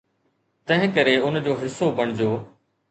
تنهنڪري ان جو حصو بڻجو.